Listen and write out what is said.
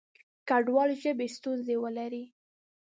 کډوال ژبې ستونزې ولري.